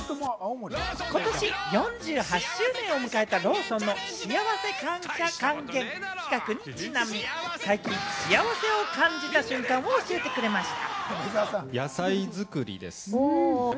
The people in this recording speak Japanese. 今年４８周年を迎えたローソンの幸せ還元企画にちなみ、最近、幸せを感じた瞬間を教えてくれました。